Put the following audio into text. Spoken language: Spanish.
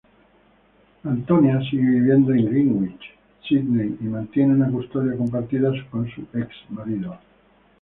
Antonia sigue viviendo en Greenwich, Sídney, y mantiene una custodia compartida con su ex-marido.